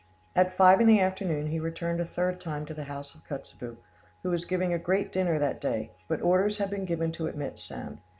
At five in the afternoon he returned a third time to the house of Kotzebue, who was giving a great dinner that day; but orders had been given to admit Sand.